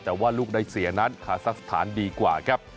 แต่ว่าลูกได้เสียนั้นคาซักสถานดีกว่าครับ